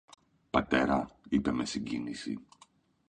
Πατέρα, είπε με συγκίνηση